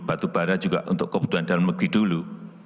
batu bara juga untuk kebutuhan dalam negeri dulu